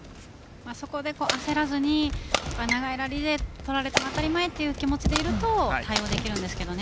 焦らずに長いラリーで取られても当たり前という気持ちでいると対応できるんですけどね。